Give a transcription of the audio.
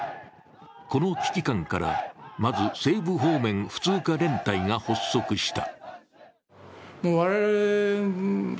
この危機感からまず西部方面普通科連隊が発足した。